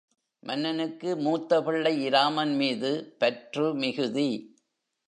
மன்னனுக்கு மூத்த பிள்ளை இராமன் மீது பற்று மிகுதி.